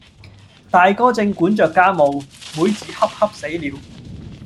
大哥正管着家務，妹子恰恰死了，